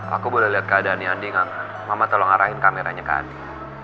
aku boleh lihat keadaannya andi mama tolong ngarahin kameranya ke andi